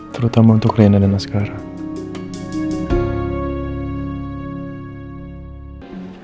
terutama untuk kalian yang ada sekarang